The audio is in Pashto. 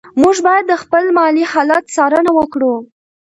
موږ باید د خپل مالي حالت څارنه وکړو.